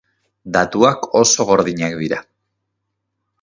Datuak oso gordinak dira.